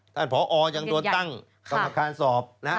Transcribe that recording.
ท่านพอยังโดนตั้งกรรมคาสอบ